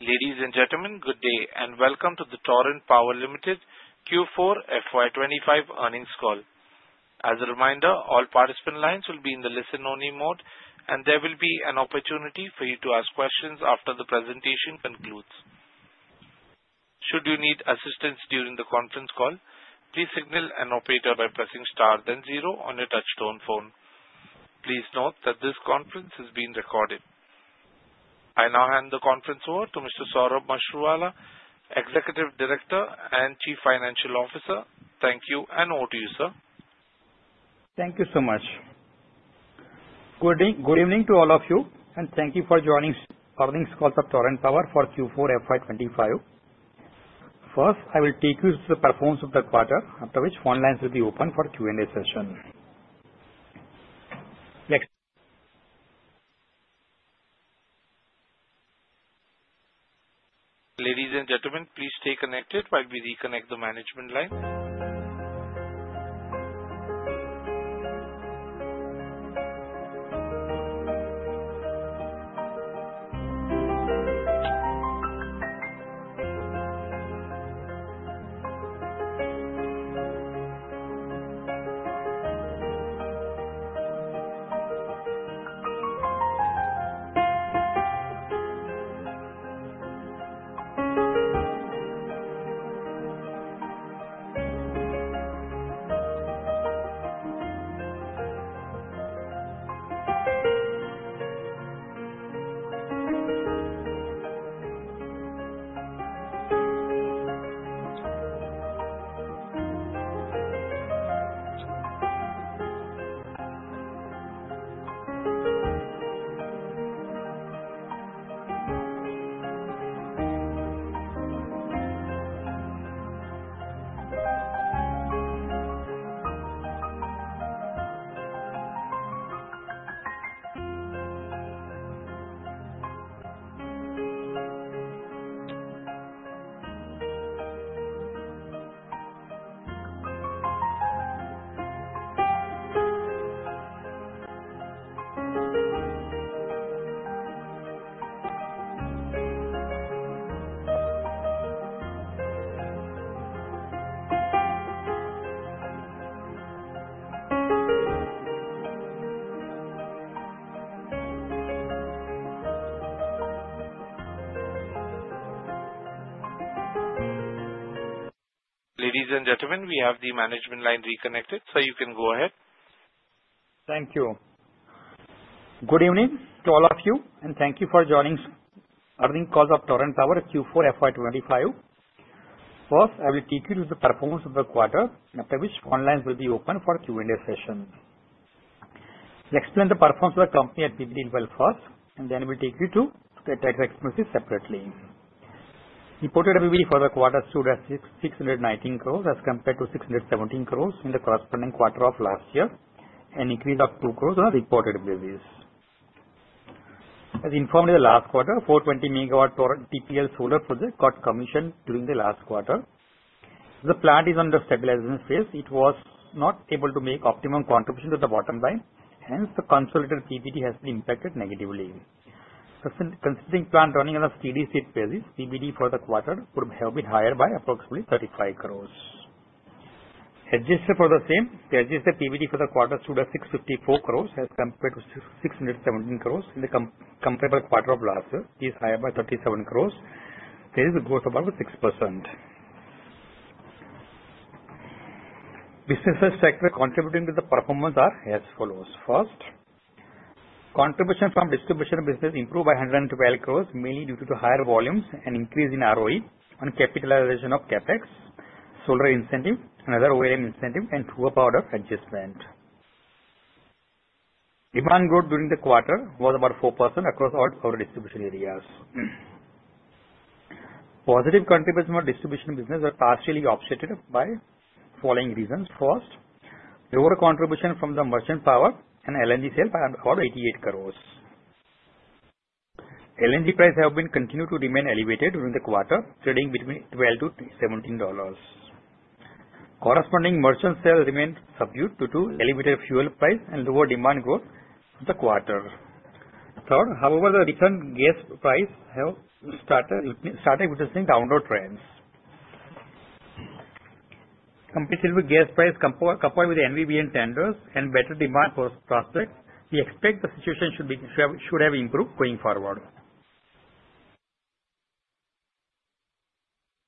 Ladies and gentlemen, good day, and welcome to the Torrent Power Limited Q4 FY25 earnings call. As a reminder, all participant lines will be in the listen-only mode, and there will be an opportunity for you to ask questions after the presentation concludes. Should you need assistance during the conference call, please signal an operator by pressing star then zero on your touch-tone phone. Please note that this conference is being recorded. I now hand the conference over to Mr. Saurabh Mashruwala, Executive Director and Chief Financial Officer. Thank you and over to you, sir. Thank you so much. Good evening to all of you, and thank you for joining earnings calls of Torrent Power for Q4 FY25. First, I will take you through the performance of the quarter, after which phone lines will be open for Q&A session. Ladies and gentlemen, please stay connected while we reconnect the management line. Ladies and gentlemen, we have the management line reconnected, so you can go ahead. Thank you. Good evening to all of you, and thank you for joining earnings call of Torrent Power Q4 FY25. First, I will take you through the performance of the quarter, after which phone lines will be open for Q&A session. I'll explain the performance of the company at PBT level first, and then we'll take you to the tax expenses separately. Reported EBITDA for the quarter stood at 619 crores as compared to 617 crores in the corresponding quarter of last year, an increase of two crores on a reported basis. As informed in the last quarter, 420 megawatt TPL solar project got commissioned during the last quarter. The plant is under stabilization phase. It was not able to make optimum contribution to the bottom line. Hence, the consolidated EBITDA has been impacted negatively. Considering plant running on a steady state basis, PVD for the quarter would have been higher by approximately 35 crores. Adjusted for the same, the adjusted PVD for the quarter stood at 654 crores as compared to 617 crores in the comparable quarter of last year. It is higher by 37 crores. There is a growth of about 6%. Businesses sector contributing to the performance are as follows. First, contribution from distribution business improved by 112 crores, mainly due to higher volumes and increase in ROE on capitalization of CapEx, solar incentive, and other O&M incentive, and true-up adjustment. Demand growth during the quarter was about 4% across all power distribution areas. Positive contribution for distribution business was partially offset by the following reasons. First, lower contribution from the merchant power and LNG sale by about INR 88 crores. LNG price have been continued to remain elevated during the quarter, trading between $12-$17. Corresponding merchant sale remained subdued due to elevated fuel price and lower demand growth of the quarter. Third, however, the return gas price have started witnessing downward trends. Competitive gas price coupled with the NVVN tenders and better demand for projects, we expect the situation should have improved going forward.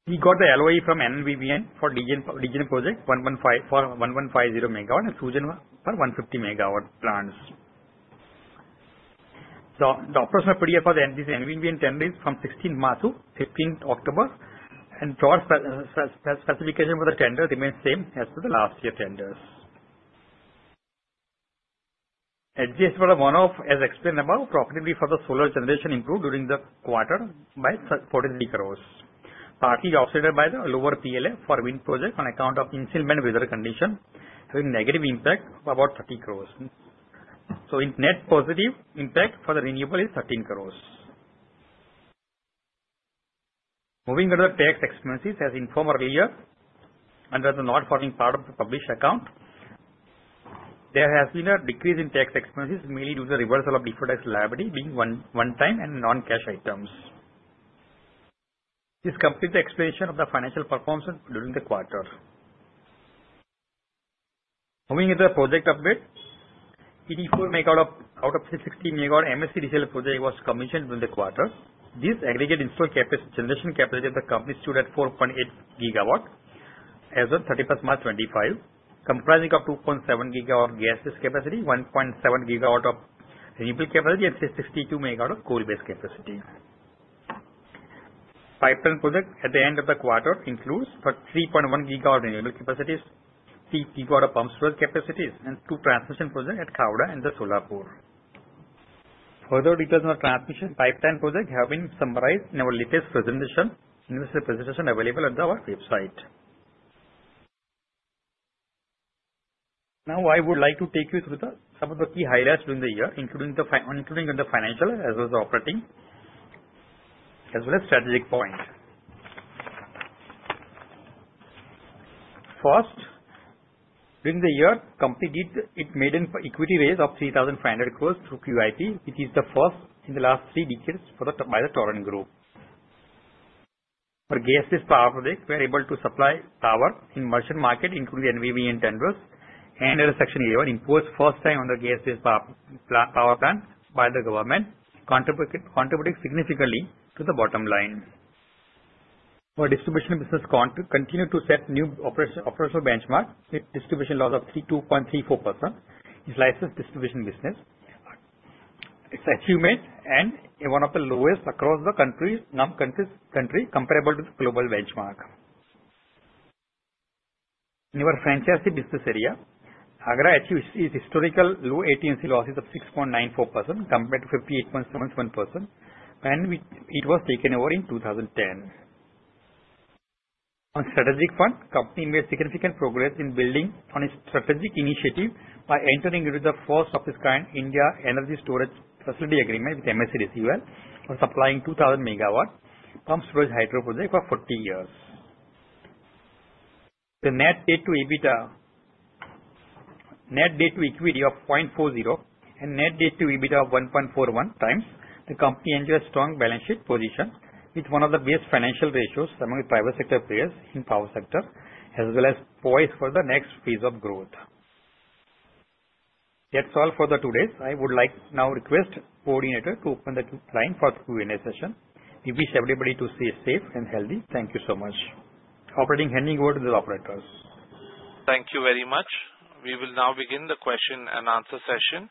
We got the LOA from NVVN for DGEN project for 1,150 megawatt and Sugen for 150 megawatt plants. The operational PPA for the NVVN tender is from 16 March to 15 October, and the specifications for the tender remains same as for the last year tenders. Adjusted for the one-off, as explained above, profitability for the solar generation improved during the quarter by 43 crores, partly offset by the lower PLF for wind project on account of inclement weather condition having negative impact of about 30 crores. So net positive impact for the renewable is 13 crores. Moving on to the tax expenses, as informed earlier, under the notes forming part of the published accounts, there has been a decrease in tax expenses, mainly due to the reversal of deferred tax liability being one-time and non-cash items. This completes the explanation of the financial performance during the quarter. Moving into the project update, 84 megawatts out of 360 megawatts MSEDCL project was commissioned during the quarter. The aggregate installed generation capacity of the company stood at 4.8 gigawatts as of 31 March 2025, comprising 2.7 gigawatts gas-based capacity, 1.7 gigawatts of renewable capacity, and 362 megawatts of coal-based capacity. Pipeline projects at the end of the quarter include 3.1 gigawatts renewable capacities, 3 gigawatts of pumped storage capacities, and two transmission projects at Khavda and Solapur. Further details on the transmission pipeline projects have been summarized in our latest presentation, and this presentation is available at our website. Now, I would like to take you through some of the key highlights during the year, including the financial as well as operating, as well as strategic points. First, during the year, the company made an equity raise of 3,500 crores through QIP, which is the first in the last three decades by the Torrent Group. For gas-based power project, we are able to supply power in merchant market, including the NVVN tenders, and Section 11 order imposed first time on the gas-based power plant by the government, contributing significantly to the bottom line. Our distribution business continued to set new operational benchmarks with distribution loss of 2.34%. In its licensed distribution business. This achievement and one of the lowest across the country, comparable to the global benchmark. In our franchisee business area, Agra achieved its historical low AT&C losses of 6.94% compared to 58.77% when it was taken over in 2010. On strategic front, company made significant progress in building on its strategic initiative by entering into the first of its kind in India energy storage facility agreement with MSEDCL for supplying 2,000 megawatt pumped storage hydro project for 40 years. The net debt to EBITDA, net debt to equity of 0.40, and net debt to EBITDA of 1.41 times. The company enjoys a strong balance sheet position with one of the best financial ratios among the private sector players in power sector, as well as poise for the next phase of growth. That's all for today's. I would like now to request the coordinator to open the line for Q&A session. We wish everybody to stay safe and healthy. Thank you so much. Operator, handing over to the operators. Thank you very much. We will now begin the question and answer session.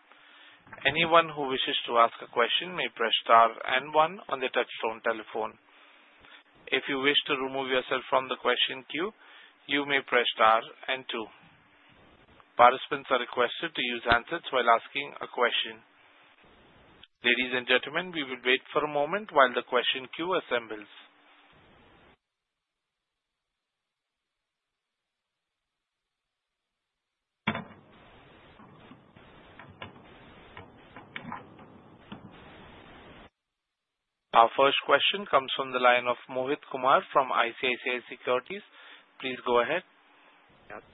Anyone who wishes to ask a question may press star and one on the touch-tone telephone. If you wish to remove yourself from the question queue, you may press star and two. Participants are requested to use handsets while asking a question. Ladies and gentlemen, we will wait for a moment while the question queue assembles. Our first question comes from the line of Mohit Kumar from ICICI Securities. Please go ahead.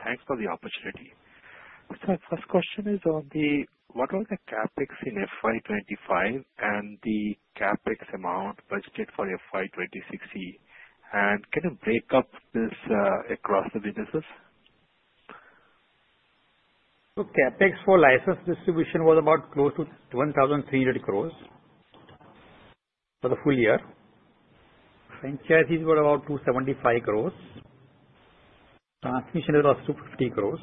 Thanks for the opportunity. So my first question is on the what were the CapEx in FY25 and the CapEx amount budgeted for FY26? And can you break up this across the businesses? So CapEx for license distribution was about close to 1,300 crores for the full year. Franchisees were about 275 crores. Transmission was 250 crores.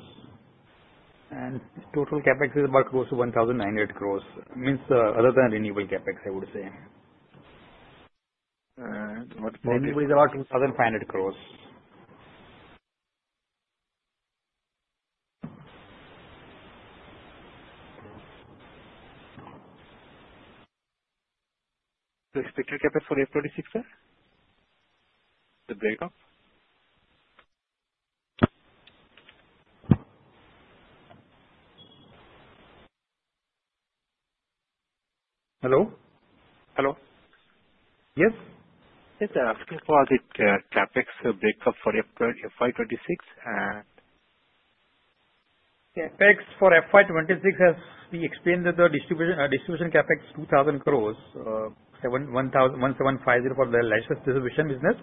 And total CapEx is about close to 1,900 crores. Means other than renewable CapEx, I would say. Renewable is about INR 2,500 crores. The expected CapEx for FY26? The breakup? Hello? Hello. Yes? Yes, I'm asking for the CapEx breakup for FY26 and. CapEx for FY26, as we explained, the distribution CapEx 2,000 crores, 1,750 for the license distribution business,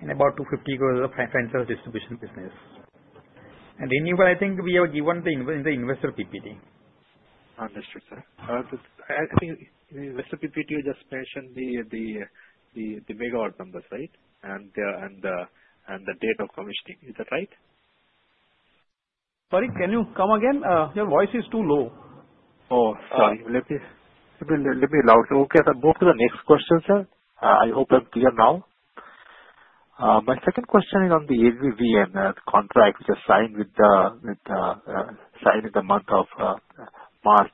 and about 250 crores for franchise distribution business, and renewable, I think we have given the investor PPT. Understood, sir. I think the investor PPT just mentioned the megawatt numbers, right? And the date of commissioning. Is that right? Sorry, can you come again? Your voice is too low. Oh, sorry. Let me allow to move to the next question, sir. I hope I'm clear now. My second question is on the NVVN contract which was signed with NVVN in the month of March.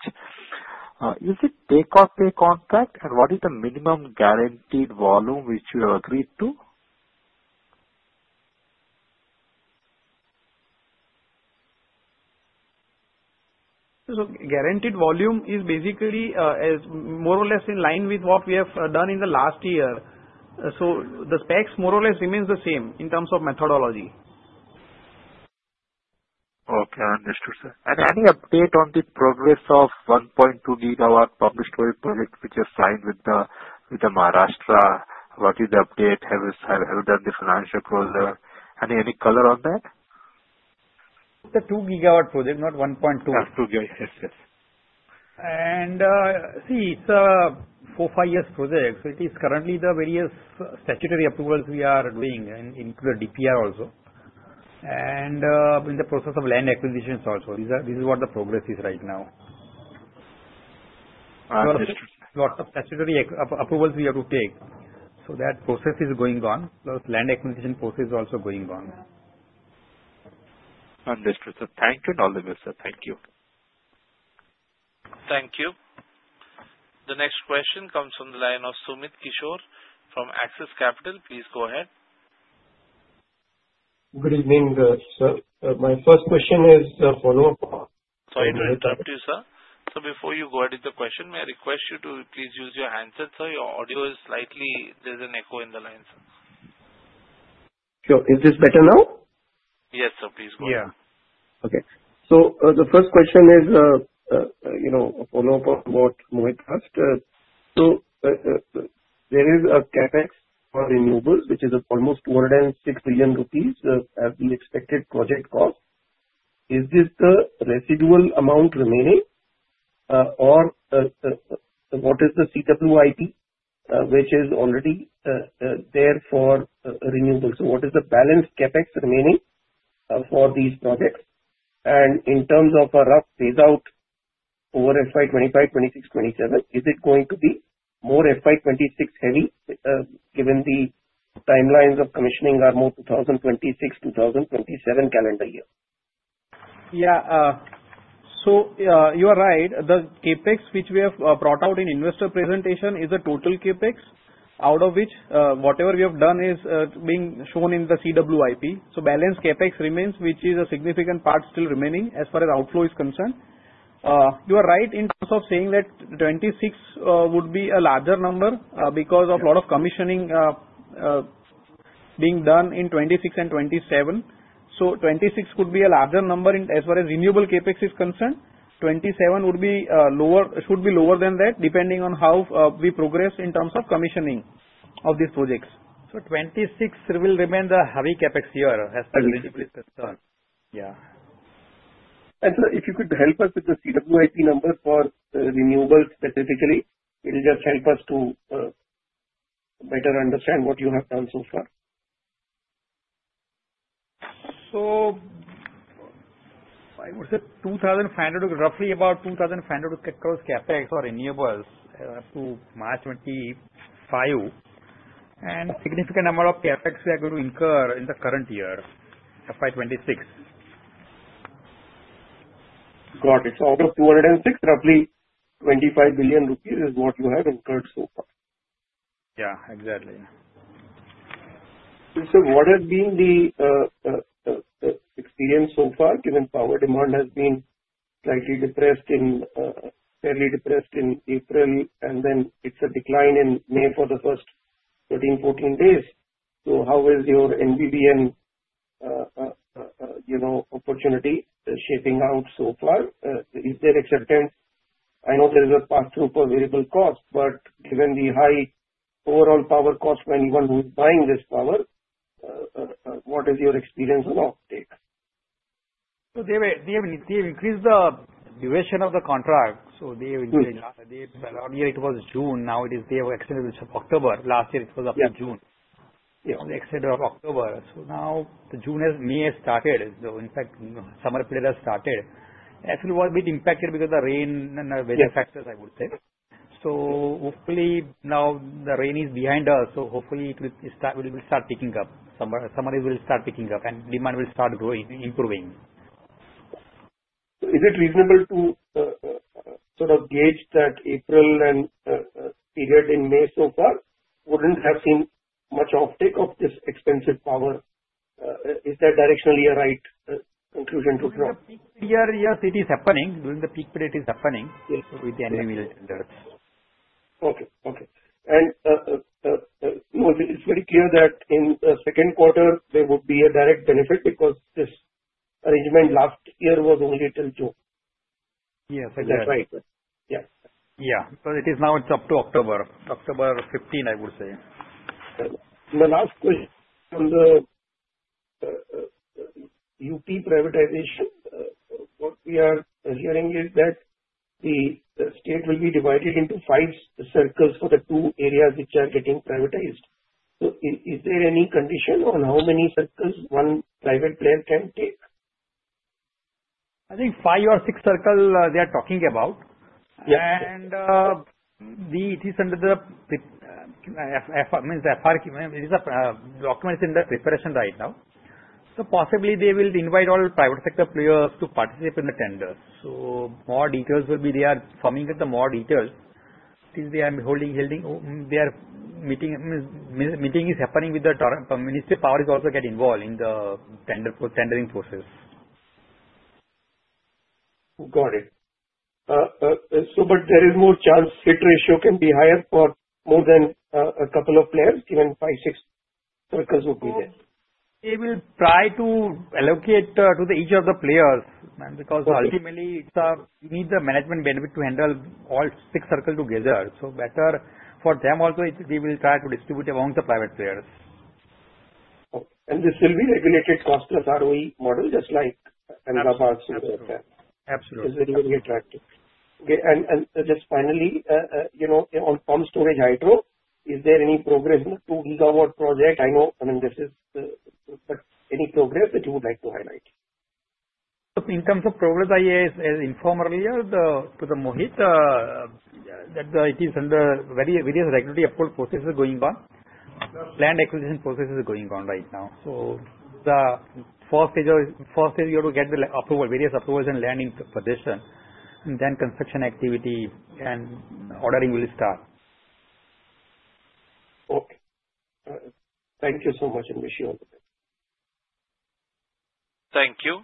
Is it take-or-pay contract, and what is the minimum guaranteed volume which you have agreed to? So guaranteed volume is basically more or less in line with what we have done in the last year. So the specs more or less remain the same in terms of methodology. Okay, understood, sir. And any update on the progress of 1.2 gigawatt Pumped Storage Hydro project which was signed with Maharashtra? What is the update? Have you done the financial closure? Any color on that? It's a two gigawatt project, not 1.2. Two gigawatts, yes, yes. And see, it's a four, five years project. So it is currently the various statutory approvals we are doing and include the DPR also. And in the process of land acquisitions also. This is what the progress is right now. Understood, sir. Lots of statutory approvals we have to take. So that process is going on, plus land acquisition process is also going on. Understood, sir. Thank you one and all, sir. Thank you. Thank you. The next question comes from the line of Sumit Kishore from Axis Capital. Please go ahead. Good evening, sir. My first question is a follow-up. Sorry to interrupt you, sir. So before you go ahead with the question, may I request you to please use your handset, sir? Your audio is slightly, there's an echo in the line, sir. Sure. Is this better now? Yes, sir. Please go ahead. Yeah. Okay. So the first question is a follow-up on what Mohit asked. So there is a CapEx for renewables which is almost 206 billion rupees as the expected project cost. Is this the residual amount remaining, or what is the CWIP which is already there for renewables? So what is the balanced CapEx remaining for these projects? And in terms of a rough phase-out over FY25, 26, 27, is it going to be more FY26 heavy given the timelines of commissioning are more 2026, 2027 calendar year? Yeah. So you are right. The CapEx which we have brought out in investor presentation is the total CapEx, out of which whatever we have done is being shown in the CWIP. So balance CapEx remains, which is a significant part still remaining as far as outflow is concerned. You are right in terms of saying that 2026 would be a larger number because of a lot of commissioning being done in 2026 and 2027. So 2026 could be a larger number as far as renewable CapEx is concerned. 2027 would be lower, should be lower than that depending on how we progress in terms of commissioning of these projects. 26 will remain the heavy CapEx year as per the residual is concerned. Yeah. Sir, if you could help us with the CWIP number for renewables specifically, it will just help us to better understand what you have done so far. I would say 2,500, roughly about 2,500 crores CapEx for renewables up to March 2025. Significant number of CapEx we are going to incur in the current year, FY26. Got it. So out of 206, roughly 25 billion rupees is what you have incurred so far. Yeah, exactly. So what has been the experience so far given power demand has been slightly depressed, fairly depressed in April, and then it's a decline in May for the first 13, 14 days. So how is your NVVN opportunity shaping out so far? Is there acceptance? I know there is a pass-through for variable cost, but given the high overall power cost, who even is buying this power? What is your experience on uptake? They have increased the duration of the contract. Last year, it was up to June. Now they have extended it to October. So now June has started. So in fact, summer period has started. Actually, we've been impacted because of the rain and the weather factors, I would say. So hopefully now the rain is behind us. So hopefully it will start picking up. Summer will start picking up and demand will start growing, improving. Is it reasonable to sort of gauge that April and period in May so far wouldn't have seen much offtake of this expensive power? Is that directionally a right conclusion to draw? Yes, it is happening. During the peak period, it is happening with the NVVN tenders. Okay, okay. And it's very clear that in the second quarter, there would be a direct benefit because this arrangement last year was only till June. Yes, that's right. Yeah. Yeah. So it is now it's up to October, October 15, I would say. My last question on the UP privatization. What we are hearing is that the state will be divided into five circles for the two areas which are getting privatized. So is there any condition on how many circles one private player can take? I think five or six circles they are talking about. It is under the means RFQ. It is a document in the preparation right now. Possibly they will invite all private sector players to participate in the tenders. More details will be there. Coming to the more details since they are holding meeting with the Ministry of Power is also getting involved in the tendering process. Got it. But there is more chance hit ratio can be higher for more than a couple of players, given five, six circles would be there. They will try to allocate to each of the players because ultimately you need the management benefit to handle all six circles together, so better for them also if they will try to distribute among the private players. This will be regulated cost as ROE model just like Allahabad's model there. Absolutely. It's very, very attractive. Okay. And just finally, on pumped storage hydro, is there any progress in the 2-gigawatt project? I know I mean, this is but any progress that you would like to highlight? In terms of progress, I informed earlier to the Mohit that it is under various regulatory approval processes going on. Land acquisition process is going on right now. The first stage we have to get the various approvals and land acquisition, and then construction activity and ordering will start. Okay. Thank you so much, and wish you all the best. Thank you.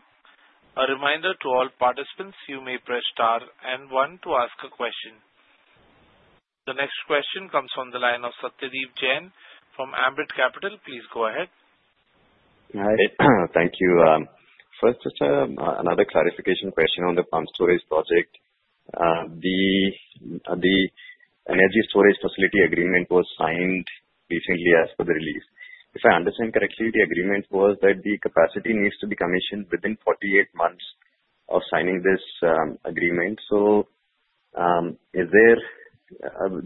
A reminder to all participants, you may press star and one to ask a question. The next question comes from the line of Satyadeep Jain from Ambit Capital. Please go ahead. Hi. Thank you. First, just another clarification question on the Pumped Storage Hydro Project. The energy storage facility agreement was signed recently as per the release. If I understand correctly, the agreement was that the capacity needs to be commissioned within 48 months of signing this agreement. So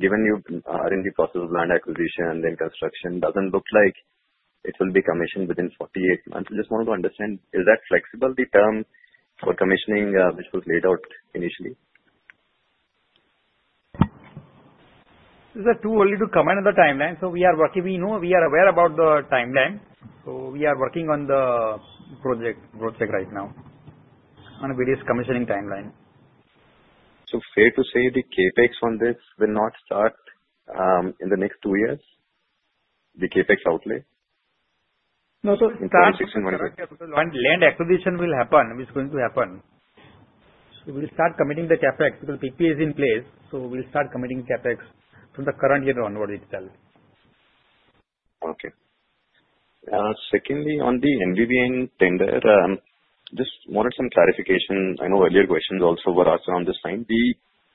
given you are in the process of land acquisition and then construction, it doesn't look like it will be commissioned within 48 months. I just wanted to understand, is that flexible, the term for commissioning which was laid out initially? It's too early to comment on the timeline. So we are working. We know we are aware about the timeline. So we are working on the project right now on various commissioning timeline. Fair to say the CapEx on this will not start in the next two years, the CapEx outlay? No, sir. In 2016, 2017? When land acquisition will happen, which is going to happen. So we'll start committing the CapEx because the PPA is in place. So we'll start committing CapEx from the current year onward itself. Okay. Secondly, on the NVVN tender, just more of some clarification. I know earlier questions also were asked around this line. The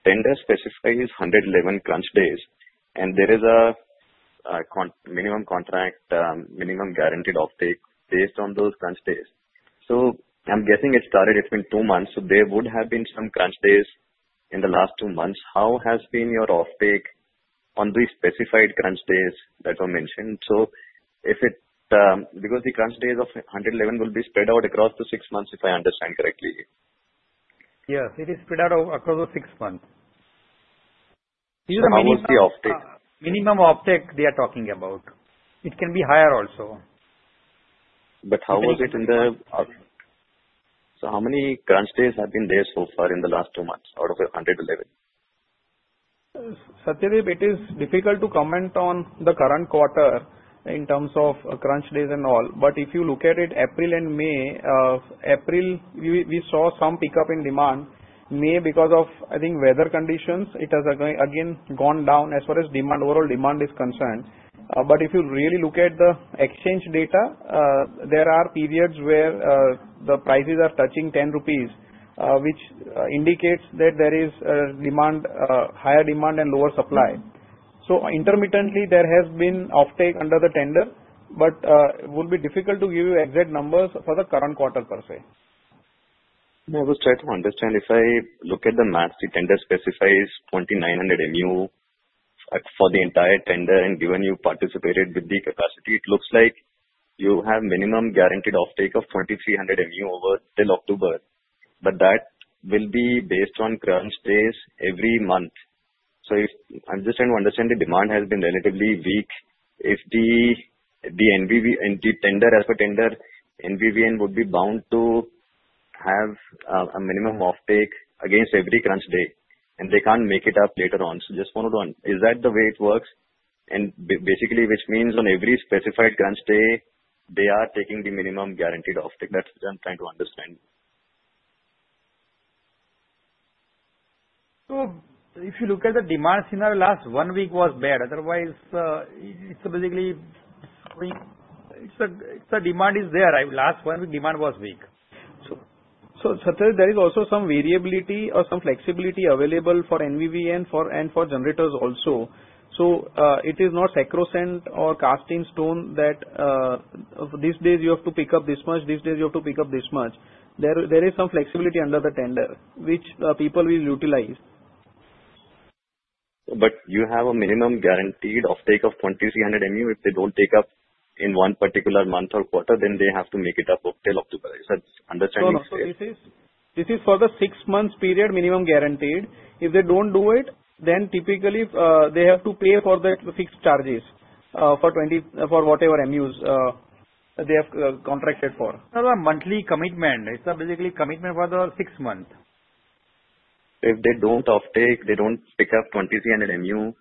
tender specifies 111 crunch days, and there is a minimum contract, minimum guaranteed offtake based on those crunch days. So I'm guessing it started between two months. So there would have been some crunch days in the last two months. How has been your offtake on the specified crunch days that were mentioned? So because the crunch days of 111 will be spread out across the six months if I understand correctly. Yes, it is spread out across the six months. These are the minimum offtake. Minimum offtake they are talking about. It can be higher also. How was it? So how many crunch days have been there so far in the last two months out of 111? Satyadeep, it is difficult to comment on the current quarter in terms of crunch days and all. But if you look at it, April and May, April, we saw some pickup in demand. May, because of, I think, weather conditions, it has again gone down as far as demand, overall demand is concerned. But if you really look at the exchange data, there are periods where the prices are touching 10 rupees, which indicates that there is higher demand and lower supply. So intermittently, there has been offtake under the tender, but it would be difficult to give you exact numbers for the current quarter per se. I will try to understand. If I look at the math, the tender specifies 2,900 MU for the entire tender and given you participated with the capacity, it looks like you have minimum guaranteed offtake of 2,300 MU over till October. But that will be based on crunch days every month. So I understand the demand has been relatively weak. If the tender as per tender, NVVN would be bound to have a minimum offtake against every crunch day, and they can't make it up later on. So just follow on. Is that the way it works? And basically, which means on every specified crunch day, they are taking the minimum guaranteed offtake. That's what I'm trying to understand. If you look at the demand scenario, last one week was bad. Otherwise, it's basically the demand is there. Last one week, demand was weak. There is also some variability or some flexibility available for NVVN and for generators also. It is not sacrosanct or cast in stone that these days you have to pick up this much, these days you have to pick up this much. There is some flexibility under the tender, which people will utilize. But you have a minimum guaranteed offtake of 2,300 MU. If they don't take up in one particular month or quarter, then they have to make it up till October. Is that understanding fair? No, sir. This is for the six-month period minimum guaranteed. If they don't do it, then typically they have to pay for the fixed charges for whatever MUs they have contracted for. It's a monthly commitment. It's basically a commitment for the six months. If they don't offtake, they don't pick up 2,300 MU,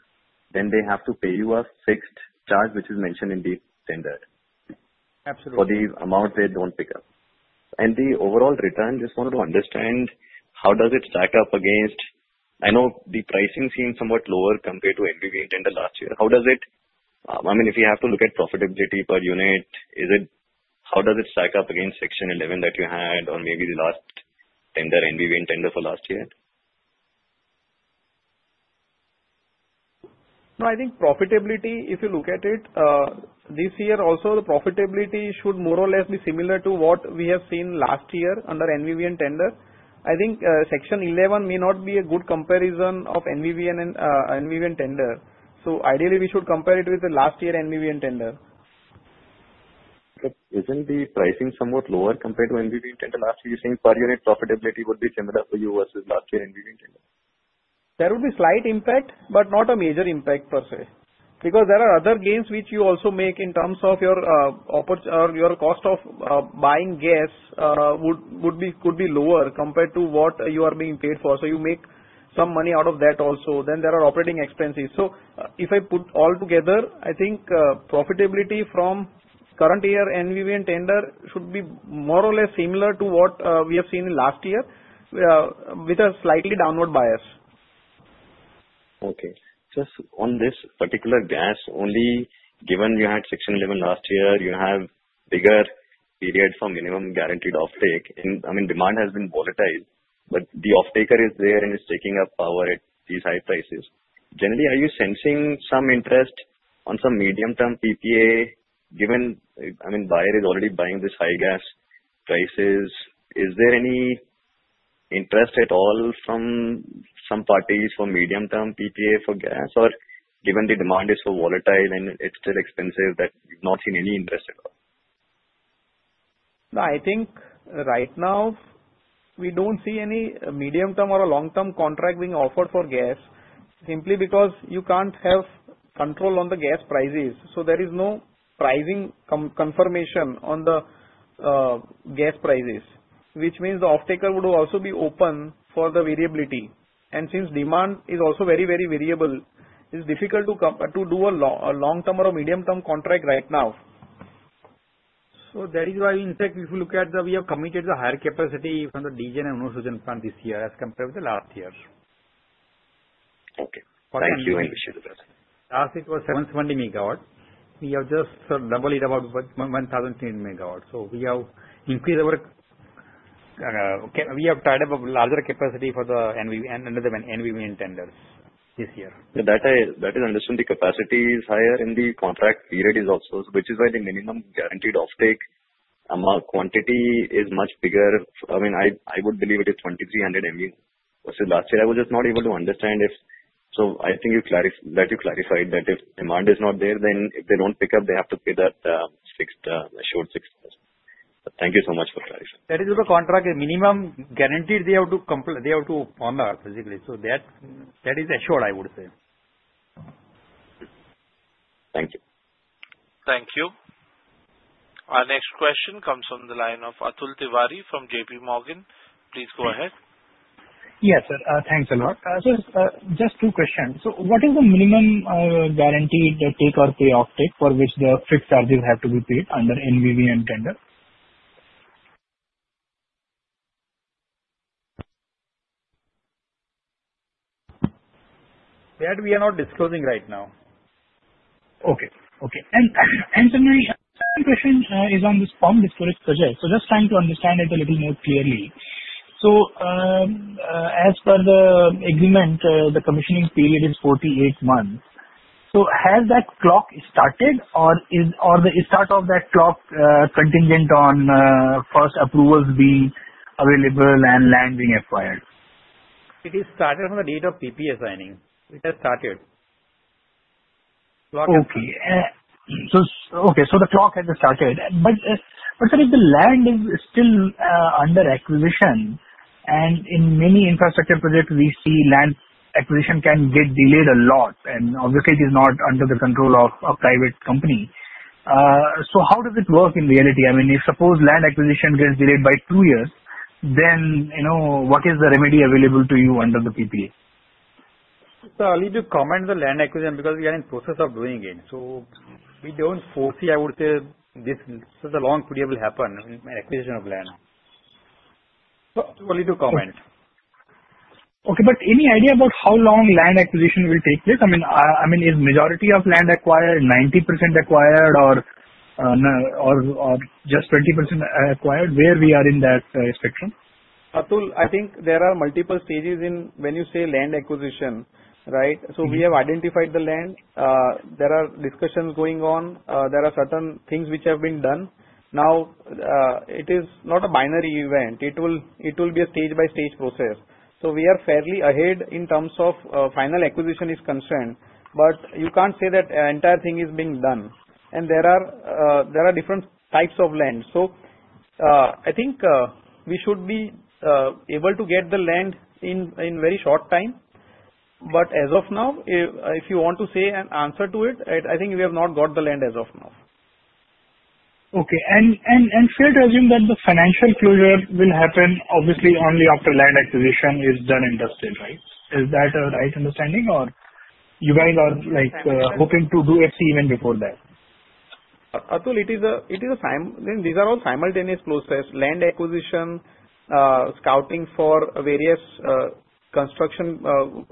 then they have to pay you a fixed charge which is mentioned in the tender. Absolutely. For the amount they don't pick up, and the overall return, just wanted to understand how does it stack up against. I know the pricing seemed somewhat lower compared to NVVN tender last year. How does it, I mean, if you have to look at profitability per unit, how does it stack up against Section 11 that you had or maybe the last NVVN tender for last year? No, I think profitability, if you look at it, this year also the profitability should more or less be similar to what we have seen last year under NVVN tender. I think Section 11 may not be a good comparison of NVVN and NVVN tender. So ideally, we should compare it with the last year NVVN tender. Isn't the pricing somewhat lower compared to NVVN tender last year? You're saying per unit profitability would be similar for you versus last year NVVN tender? There would be slight impact, but not a major impact per se. Because there are other gains which you also make in terms of your cost of buying gas could be lower compared to what you are being paid for. So you make some money out of that also. Then there are operating expenses. So if I put all together, I think profitability from current year NVVN tender should be more or less similar to what we have seen last year with a slightly downward bias. Okay. Just on this particular gas, only given you had Section 11 last year, you have bigger period for minimum guaranteed offtake. I mean, demand has been volatile, but the offtaker is there and is taking up power at these high prices. Generally, are you sensing some interest on some medium-term PPA given I mean, buyer is already buying this high gas prices. Is there any interest at all from some parties for medium-term PPA for gas? Or given the demand is so volatile and it's still expensive that you've not seen any interest at all? No, I think right now we don't see any medium-term or long-term contract being offered for gas simply because you can't have control on the gas prices. So there is no pricing confirmation on the gas prices, which means the offtaker would also be open for the variability. And since demand is also very, very variable, it's difficult to do a long-term or medium-term contract right now. So that is why, in fact, if you look at the we have committed the higher capacity from the DGEN and Sugen power plant this year as compared with the last year. Okay. Thank you, and wish you the best. Last, it was 770 megawatts. We have just doubled it about 1,000 megawatts so we have increased our tied up a larger capacity for the NVVN tenders this year. That is understood. The capacity is higher in the contract period, is also, which is why the minimum guaranteed offtake amount quantity is much bigger. I mean, I would believe it is 2,300 MU. Last year, I was just not able to understand if so. I think that you clarified that if demand is not there, then if they don't pick up, they have to pay that assured fixed price. Thank you so much for clarifying. That is the contract. Minimum guaranteed, they have to honor basically. So that is assured, I would say. Thank you. Thank you. Our next question comes from the line of Atul Tiwari from JPMorgan. Please go ahead. Yes, sir. Thanks a lot. So just two questions. So what is the minimum guaranteed take or pay offtake for which the fixed charges have to be paid under NVVN tender? That we are not disclosing right now. Okay. Okay. And generally, the second question is on this Pumped Storage Hydro Project. So just trying to understand it a little more clearly. So as per the agreement, the commissioning period is 48 months. So has that clock started or is the start of that clock contingent on first approvals being available and land being acquired? It is started from the date of PPA signing. It has started. Okay. So the clock has started. But the land is still under acquisition. And in many infrastructure projects, we see land acquisition can get delayed a lot. And obviously, it is not under the control of a private company. So how does it work in reality? I mean, if suppose land acquisition gets delayed by two years, then what is the remedy available to you under the PPA? So I'll need to comment on the land acquisition because we are in the process of doing it. So we don't foresee, I would say, this is a long period will happen in acquisition of land. So I'll need to comment. Okay, but any idea about how long land acquisition will take place? I mean, is majority of land acquired, 90% acquired, or just 20% acquired? Where we are in that spectrum? Atul, I think there are multiple stages in when you say land acquisition, right? So we have identified the land. There are discussions going on. There are certain things which have been done. Now, it is not a binary event. It will be a stage-by-stage process. So we are fairly ahead in terms of final acquisition is concerned. But you can't say that the entire thing is being done, and there are different types of land, so I think we should be able to get the land in very short time. But as of now, if you want to say an answer to it, I think we have not got the land as of now. Okay. And fair to assume that the financial closure will happen obviously only after land acquisition is done in the state, right? Is that a right understanding or you guys are hoping to do FC even before that? Atul, it is. These are all simultaneous processes. Land acquisition, scouting for various construction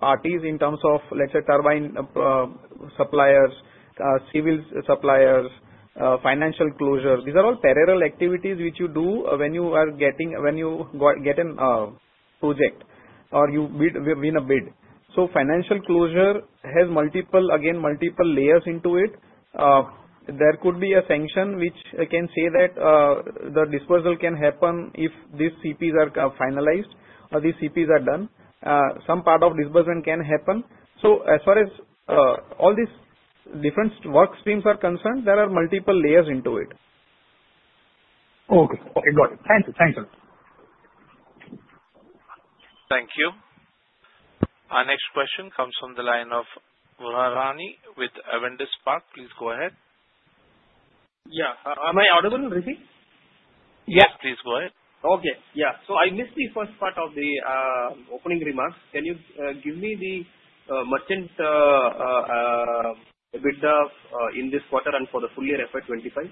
parties in terms of, let's say, turbine suppliers, civil suppliers, financial closure. These are all parallel activities which you do when you get a project or you win a bid. So financial closure has multiple layers into it. There could be a sanction which can say that the disbursement can happen if these CPs are finalized or these CPs are done. Some part of disbursement can happen. So as far as all these different work streams are concerned, there are multiple layers into it. Okay. Okay. Got it. Thank you. Thank you. Thank you. Our next question comes from the line of Bharanidhar with Avendus Spark. Please go ahead. Yeah. Am I audible and ready? Yes. Please go ahead. Okay. Yeah. So I missed the first part of the opening remarks. Can you give me the merchant bid in this quarter and for the full year FY25?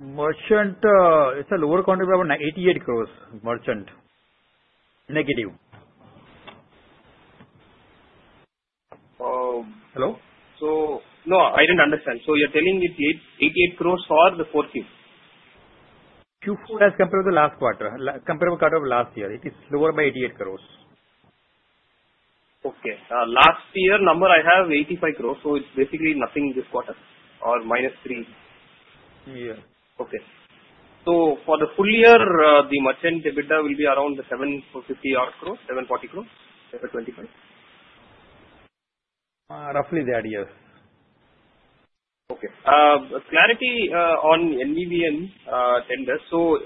Merchant, it's a lower quantity of 88 crores. Merchant. Negative. Hello? So no, I didn't understand. So you're telling it's 88 crores for the fourth year? Q4 as compared to the last quarter, compared to the quarter of last year. It is lower by 88 crores. Okay. Last year number I have 85 crores. So it's basically nothing this quarter or minus three. Yeah. Okay. So for the full year, the merchant bid will be around 750 crores, 740 crores FY25? Roughly that, yes. Okay. Clarity on NVVN tender. So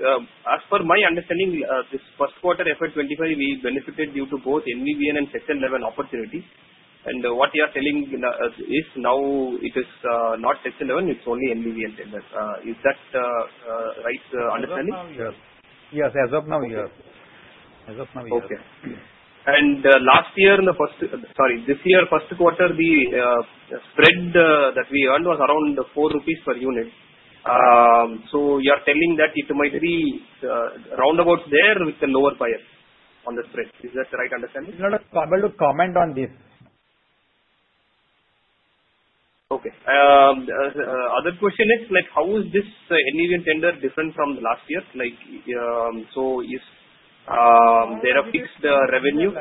as per my understanding, this first quarter FY25, we benefited due to both NVVN and Section 11 opportunity. And what you are telling is now it is not Section 11, it's only NVVN tender. Is that right understanding? As of now, yes. Yes. As of now, yes. As of now, yes. Okay. Last year, sorry, this year, first quarter, the spread that we earned was around 4 rupees per unit. You are telling that it might be roundabout there with the lower buyer on the spread. Is that the right understanding? Not able to comment on this. Okay. Other question is, how is this NVVN tender different from last year, so is there a fixed revenue?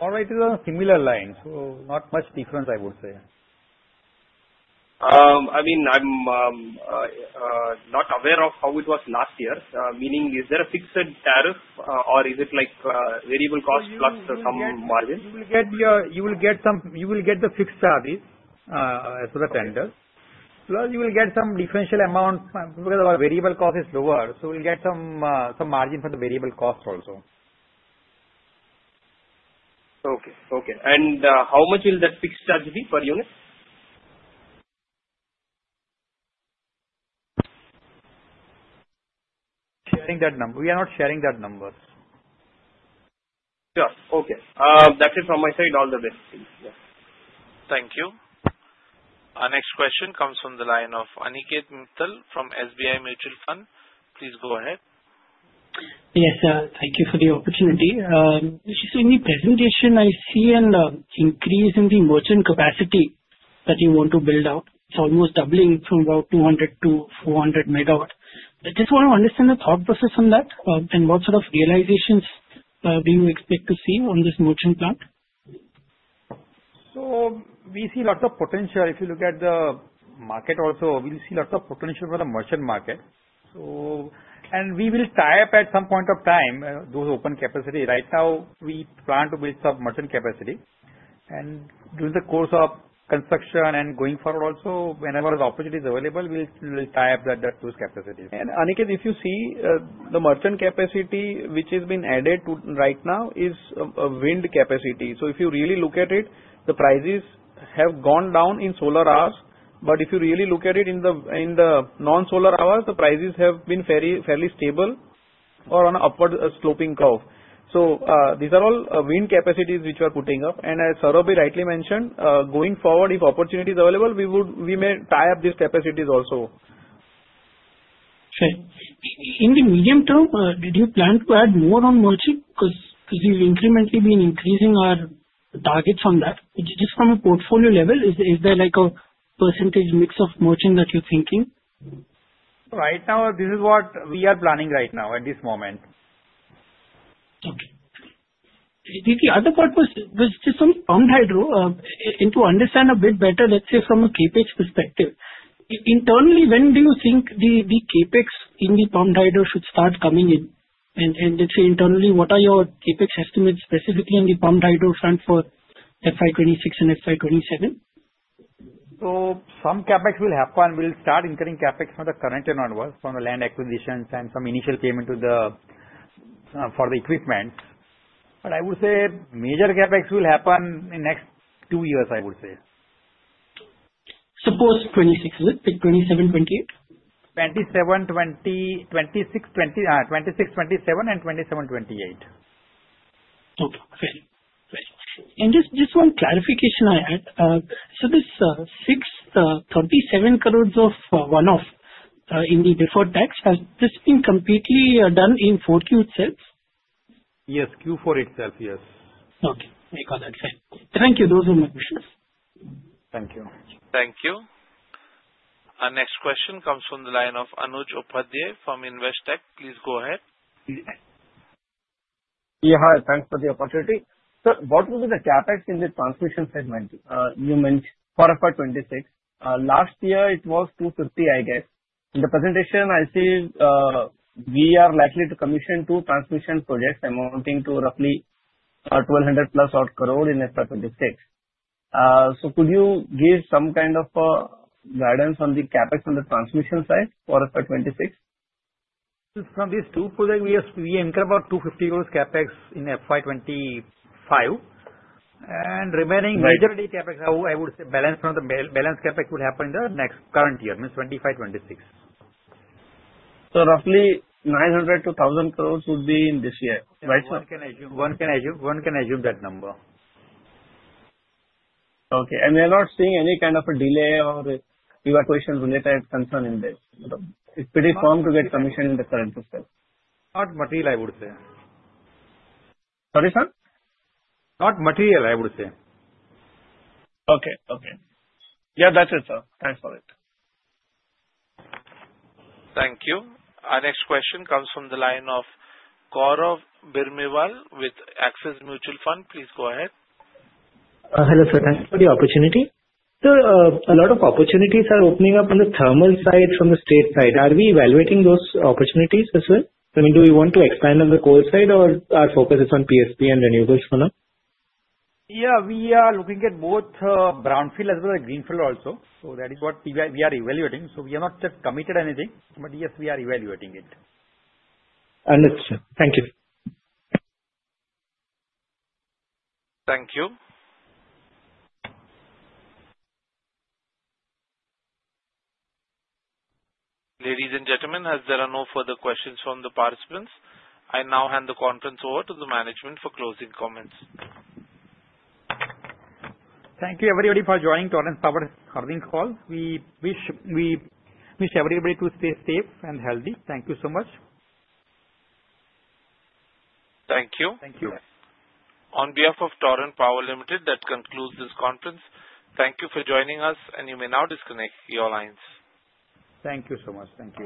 More or less, it is on a similar line. So not much difference, I would say. I mean, I'm not aware of how it was last year. Meaning, is there a fixed tariff or is it variable cost plus some margin? You will get the fixed charge as per the tender. Plus, you will get some differential amount because variable cost is lower. So you'll get some margin for the variable cost also. Okay. And how much will that fixed charge be per unit? Sharing that number. We are not sharing that number. Yeah. Okay. That's it from my side. All the best. Thank you. Thank you. Our next question comes from the line of Aniket Mittal from SBI Mutual Fund. Please go ahead. Yes, sir. Thank you for the opportunity. Just in the presentation, I see an increase in the merchant capacity that you want to build out. It's almost doubling from about 200-400 megawatts. I just want to understand the thought process on that and what sort of realizations do you expect to see on this merchant plant? So we see lots of potential. If you look at the market also, we see lots of potential for the merchant market. And we will tie up at some point of time those open capacity. Right now, we plan to build some merchant capacity. And during the course of construction and going forward also, whenever the opportunity is available, we will tie up those capacities. And Aniket, if you see the merchant capacity which has been added right now is wind capacity. So if you really look at it, the prices have gone down in solar hours. But if you really look at it in the non-solar hours, the prices have been fairly stable or on an upward sloping curve. So these are all wind capacities which we are putting up. And as Saurabh rightly mentioned, going forward, if opportunity is available, we may tie up these capacities also. Okay. In the medium term, did you plan to add more on merchant because you've incrementally been increasing our targets on that? Just from a portfolio level, is there a percentage mix of merchant that you're thinking? Right now, this is what we are planning right now at this moment. Okay. The other part was just some pump hydro to understand a bit better, let's say from a CapEx perspective. Internally, when do you think the CapEx in the pump hydro should start coming in? And let's say internally, what are your CapEx estimates specifically in the pump hydro front for FY26 and FY27? Some CapEx will happen. We'll start incurring CapEx from the current and more from the land acquisitions and some initial payment for the equipment. I would say major CapEx will happen in the next two years, I would say. Suppose 26, is it? 27, 28? 27, 26, 27, and 27, 28. Okay. Fair. Fair. And just one clarification I had. So this fixed 37 crores of one-off in the deferred tax, has this been completely done in 4Q itself? Yes. Q4 itself, yes. Okay. I got that. Fair. Thank you. Those are my questions. Thank you. Thank you. Our next question comes from the line of Anuj Upadhyay from Investec. Please go ahead. Yeah. Thanks for the opportunity. Sir, what will be the CapEx in the transmission segment? You mentioned for FY26. Last year, it was 250 crore, I guess. In the presentation, I see we are likely to commission two transmission projects amounting to roughly 1,200 crore plus odd in FY26. So could you give some kind of guidance on the CapEx on the transmission side for FY26? From these two projects, we incur about 250 crores CapEx in FY25. And remaining majority CapEx, I would say balance from the balance CapEx would happen in the next current year, means 25, 26. So roughly 900-1,000 crores would be in this year. Right? One can assume. One can assume that number. Okay. And we are not seeing any kind of a delay or evacuation-related concern in this. It's pretty firm to get commission in the current system. Not material, I would say. Sorry, sir? Not material, I would say. Okay. Yeah, that's it, sir. Thanks for it. Thank you. Our next question comes from the line of Gaurav Birmiwal with Axis Mutual Fund. Please go ahead. Hello, sir. Thanks for the opportunity. Sir, a lot of opportunities are opening up on the thermal side from the state side. Are we evaluating those opportunities as well? I mean, do we want to expand on the coal side or our focus is on PSP and renewables for now? Yeah. We are looking at both brownfield as well as greenfield also. So that is what we are evaluating. So we have not just committed anything, but yes, we are evaluating it. Understood. Thank you. Thank you. Ladies and gentlemen, as there are no further questions from the participants, I now hand the conference over to the management for closing comments. Thank you, everybody, for joining Torrent Power's earnings call. We wish everybody to stay safe and healthy. Thank you so much. Thank you. Thank you. On behalf of Torrent Power Limited, that concludes this conference. Thank you for joining us, and you may now disconnect your lines. Thank you so much. Thank you.